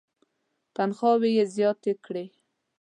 تنخواوې یې زیاتې کړې.